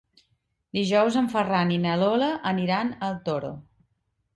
Dijous en Ferran i na Lola aniran al Toro.